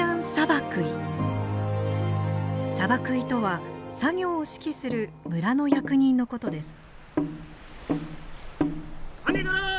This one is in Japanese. サバクイとは作業を指揮する村の役人のことです。